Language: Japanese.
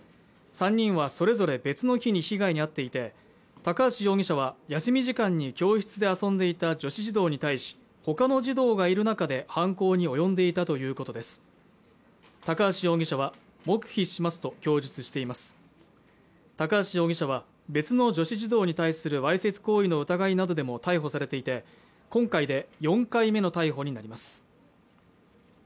３人はそれぞれ別の日に被害に遭っていて高橋容疑者は休み時間に教室で遊んでいた女子児童に対しほかの児童がいる中で犯行に及んでいたということです高橋容疑者は黙秘しますと供述しています高橋容疑者は別の女子児童に対するわいせつ行為の疑いなどでも逮捕されていて今回で４回目の逮捕になります